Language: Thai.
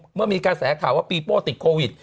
เมื่อมีการสาธารณ์ต่างว่าปีโป้ติดโควิด